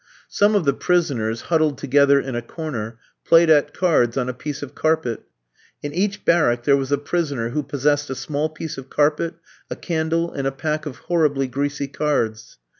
Some of the prisoners, huddled together in a corner, played at cards on a piece of carpet. In each barrack there was a prisoner who possessed a small piece of carpet, a candle, and a pack of horribly greasy cards.